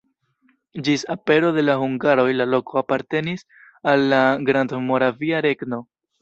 Ĝis apero de la hungaroj la loko apartenis al la Grandmoravia Regno.